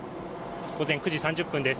午前９時３０分です。